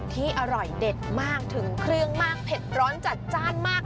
ที่อร่อยเด็ดมากถึงเครื่องมากเผ็ดร้อนจัดจ้านมาก